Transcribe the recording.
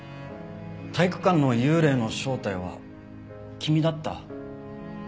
体育館の幽霊の正体は君だった。